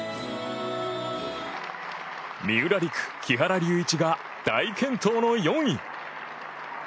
三浦璃来・木原龍一が大健闘の４位。